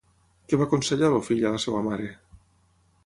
Què va aconsellar, el fill, a la seva mare?